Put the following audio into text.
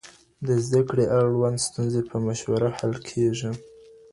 د زده کړي اړوند ستونزي په مشوره حل کېږي.